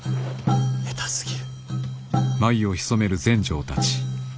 下手すぎる。